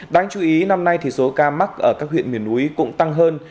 đáng chú ý năm nay thì số ca mắc ở các huyện miền núi cũng tăng hơn